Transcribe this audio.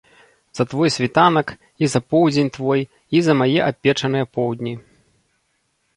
За твой світанак, і за поўдзень твой, і за мае абпечаныя поўдні.